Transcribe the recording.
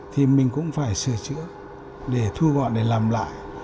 thì mình cũng phải sửa chữa để thu gọn để làm lại